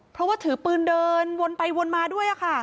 เพราะว่าถือปืนเดินวนไปวนมาด้วยค่ะ